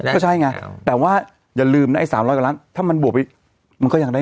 ก็ใช่ไงแต่ว่าอย่าลืมนะไอ้๓๐๐กว่าล้านถ้ามันบวกไปมันก็ยังได้